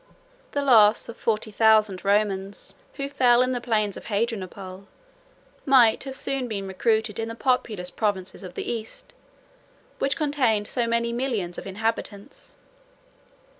The loss of forty thousand Romans, who fell in the plains of Hadrianople, might have been soon recruited in the populous provinces of the East, which contained so many millions of inhabitants.